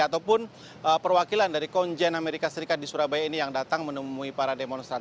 ataupun perwakilan dari konjen amerika serikat di surabaya ini yang datang menemui para demonstran